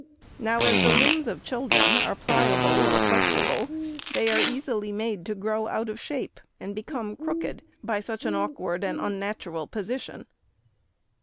Now, as the limbs of children are pliable or flexible, they are easily made to grow out of shape, and become crooked, »y such an awkward and unnatural posi tion.